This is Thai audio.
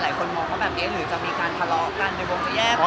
หมายถึงว่าความดังของผมแล้วทำให้เพื่อนมีผลกระทบอย่างนี้หรอค่ะ